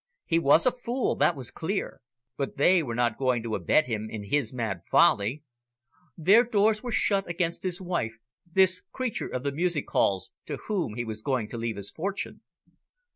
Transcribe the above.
He was a fool, that was clear, but they were not going to abet him in his mad folly. Their doors were shut against his wife, this creature of the music halls, to whom he was going to leave his fortune.